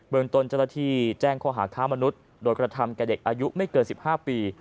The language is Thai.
ตนเจ้าหน้าที่แจ้งข้อหาค้ามนุษย์โดยกระทำแก่เด็กอายุไม่เกิน๑๕ปี